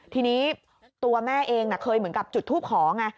ทีนี้ตัวแม่เองเคยเหมือนกับจุดทูปขอไง